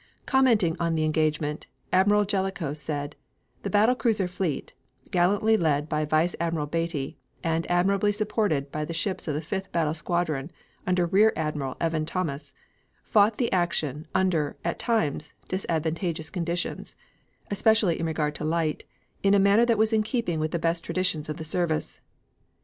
Commenting on the engagement, Admiral Jellicoe said: "The battle cruiser fleet, gallantly led by Vice Admiral Beatty, and admirably supported by the ships of the fifth battle squadron under Rear Admiral Evan Thomas, fought the action under, at times, disadvantageous conditions, especially in regard to light, in a manner that was in keeping with the best traditions of the service."